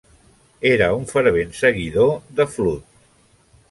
Era un fervent seguidor de Flood.